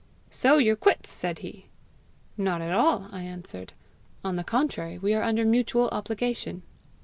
'So you're quits!' said he. 'Not at all,' I answered; 'on the contrary, we are under mutual obligation.'